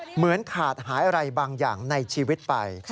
เหมือนขาดหายอะไรบางอย่างในชีวิตไป